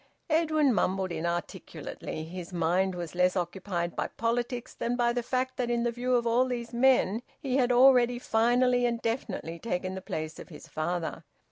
Edwin mumbled inarticulately. His mind was less occupied by politics than by the fact that in the view of all these men he had already finally and definitely taken the place of his father.